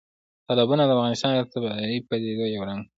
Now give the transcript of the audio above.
تالابونه د افغانستان د طبیعي پدیدو یو رنګ دی.